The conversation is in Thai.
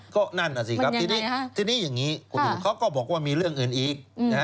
ก็นั่นน่ะสิครับทีนี้ทีนี้อย่างนี้คุณนิวเขาก็บอกว่ามีเรื่องอื่นอีก